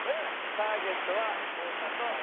ターゲットは太田と酒井。